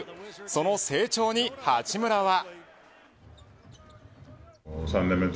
その成長に八村は。